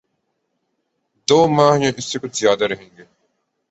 دو ماہ یا اس سے کچھ زیادہ رہیں گے۔